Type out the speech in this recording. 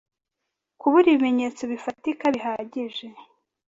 kubura ibimenyetso bifatika bihagije